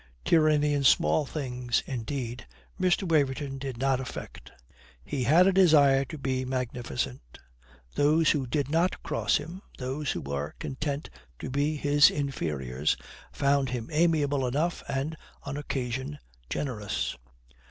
Tyranny in small things, indeed, Mr. Waverton did not affect. He had a desire to be magnificent. Those who did not cross him, those who were content to be his inferiors, found him amiable enough and, on occasion, generous....